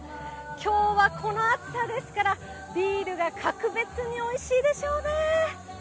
きょうはこの暑さですから、ビールが格別においしいでしょうね。